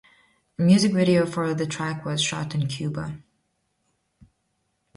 A music video for the track was shot in Cuba.